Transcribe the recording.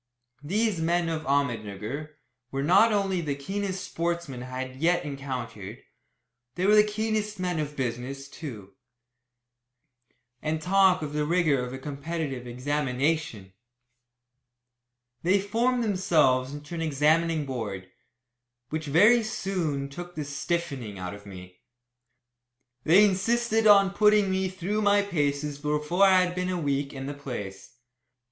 These men of Ahmednugger were not only the keenest sportsmen I had encountered, they were the keenest men of business, too. And talk of the rigour of a competitive examination! They formed themselves into an examining board, which very soon took the "stiffening" out of me. They insisted on putting me through my paces before I had been a week in the place.